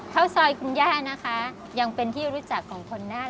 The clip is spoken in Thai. ข้าวซอยคุณย่านะคะยังเป็นที่รู้จักของคนน่าน